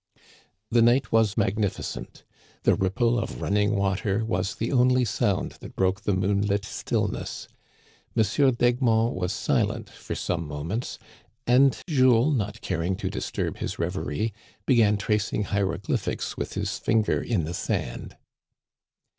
The night was magnificent. The ripple of running water was the only sound that broke the moonlit still ness. M. d'Egmont was silent for some moments, and Jules, not caring to disturb his reverie, began tracing hieroglyphics with his finger in the sand.